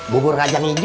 bubur kacang hijau